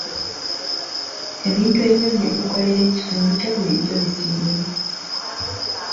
Ebintu ebirungi by'okolera ekitundu kyo bulijjo bisiimibwa.